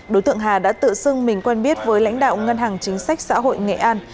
đối tượng hà đã tự xưng mình quen biết với lãnh đạo ngân hàng chính sách xã hội nghệ an